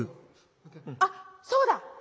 あっそうだ！